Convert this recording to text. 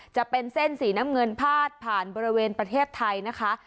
จะเป็นเส้นสีน้ำเงินพาดผ่านบริเวณประเทศไทยนะคะ